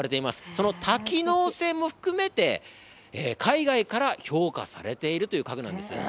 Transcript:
その多機能性も含めて、海外から評価されているという家具なんです。